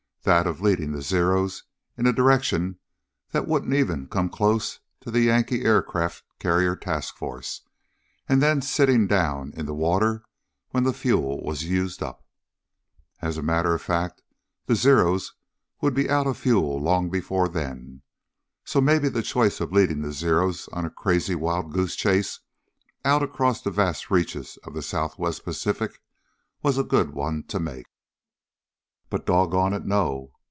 That of leading the Zeros in a direction that wouldn't even come close to the Yank aircraft carrier task force, and then sitting down in the water when the fuel was used up. As a matter of fact, the Zeros would be out of fuel long before then. So maybe the choice of leading the Zeros on a crazy wild goose chase out across the vast reaches of the Southwest Pacific was a good one to make. "But, doggone it, no!"